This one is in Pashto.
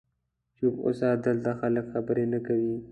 چوپ اوسه، دلته خلک خبرې نه کوي.